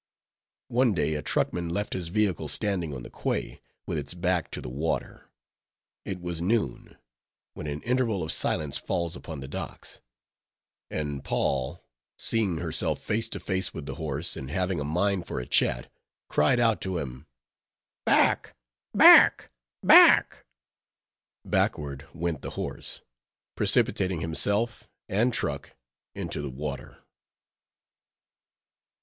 One day a truckman left his vehicle standing on the quay, with its back to the water. It was noon, when an interval of silence falls upon the docks; and Poll, seeing herself face to face with the horse, and having a mind for a chat, cried out to him, "Back! back! back!" Backward went the horse, precipitating himself and truck into the water.